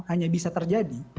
hanya bisa terjadi